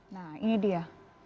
nah ini dia